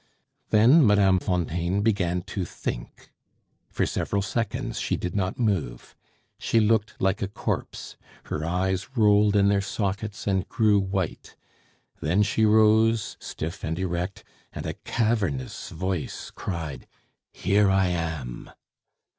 Then Mme. Fontaine began to think; for several seconds she did not move; she looked like a corpse, her eyes rolled in their sockets and grew white; then she rose stiff and erect, and a cavernous voice cried: "Here I am!"